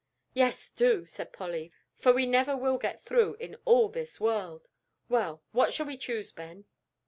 "Yes, do," said Polly, "for we never will get through in all this world. Well, what shall we choose, Ben?"